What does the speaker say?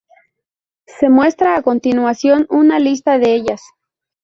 Se muestra a continuación una lista de ellas